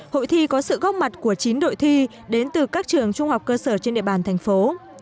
hội thi có sự góp mặt của chín đội thi đến từ các trường trung học cơ sở trên địa bàn thành phố